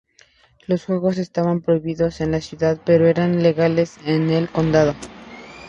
Los juegos estaban prohibidos en la ciudad, pero eran legales en el condado.